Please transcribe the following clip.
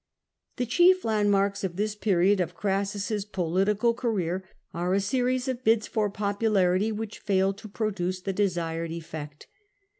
'' The chief landmarks of this period of Orassus's political career are a series of bids for popularity, which failed to produce the desired effect.